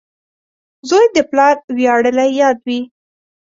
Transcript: • زوی د پلار ویاړلی یاد وي.